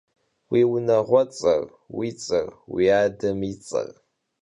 Vui vuneğuets'er, vuits'er, vui adem yi ts'er.